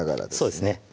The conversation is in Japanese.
そうですね